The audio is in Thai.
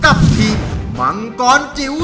กับทีมมังกรจิ๋ว